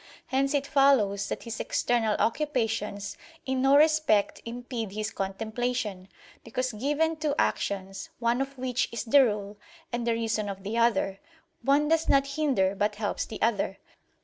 Hence it follows that his external occupations in no respect impede his contemplation; because given two actions, one of which is the rule and the reason of the other, one does not hinder but helps the other.